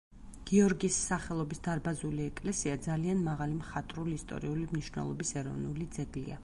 გიორგის სახელობის დარბაზული ეკლესია ძალიან მაღალი მხატვრულ-ისტორიული მნიშვნელობის ეროვნული ძეგლია.